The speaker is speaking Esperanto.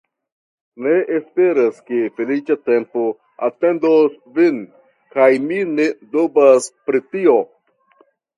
Ni esperas, ke feliĉa tempo atendos vin, kaj mi ne dubas pri tio.